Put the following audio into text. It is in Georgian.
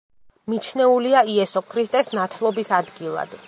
მიჩნეულია იესო ქრისტეს ნათლობის ადგილად.